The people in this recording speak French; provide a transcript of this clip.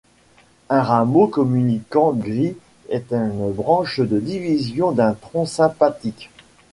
Un rameau communicant gris est une branche de division d'un tronc sympathique.